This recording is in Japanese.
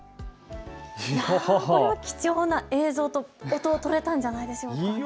貴重な映像と音、とれたんじゃないでしょうか。